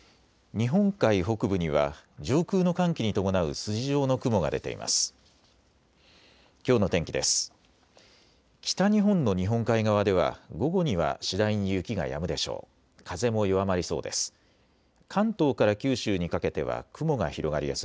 日本海北部には上空の寒気に伴う筋状の雲が出ています。